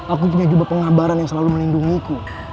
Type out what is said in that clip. aku punya jubah pengabaran yang selalu melindungiku